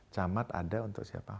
camat ada untuk siapa